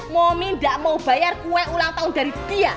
momin gak mau bayar kue ulang tahun dari dia